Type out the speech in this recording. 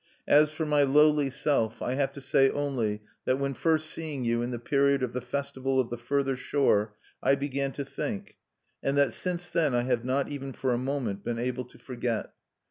As for my lowly self, I have to say only that when first seeing you in the period of the Festival of the Further Shore, I began to think; and that since then I have not, even for a moment, been able to forget.